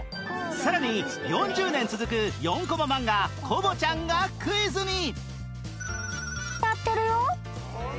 さらに４０年続く４コマ漫画『コボちゃん』がクイズに